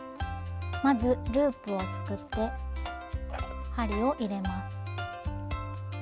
まずループを作って針を入れます。